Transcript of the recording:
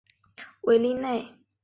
韦利内。